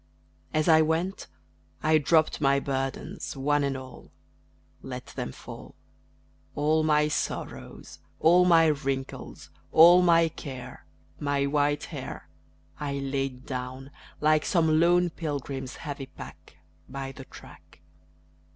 As I went, I dropped my burdens, one and all Let them fall; All my sorrows, all my wrinkles, all my care, My white hair, I laid down, like some lone pilgrim's heavy pack, By the track.